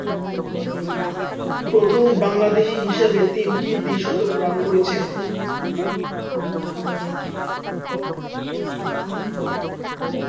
প্রথম বাংলাদেশী হিসেবে তিনটি দ্বি-শতক রান করেছেন।